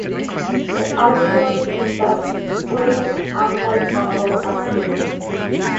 The isolate possessed potent antifungal activity.